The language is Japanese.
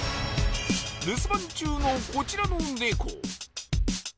留守番中のこちらのネコ